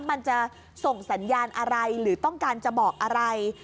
มันจะส่งสัญญาณอะไรหรือต้องการจะบอกอะไร